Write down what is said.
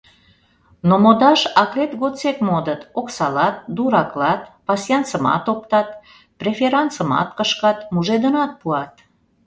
Но модаш акрет годсек модыт: оксалат, дураклат, пасьянсымат оптат, преферансымат кышкат, мужедынат пуат.